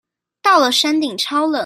到了山頂超冷